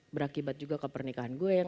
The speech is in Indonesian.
berakibat juga kepernikahan gue yang